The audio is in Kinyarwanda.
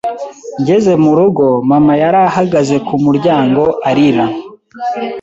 Ngeze mu rugo, mama yari ahagaze ku muryango arira.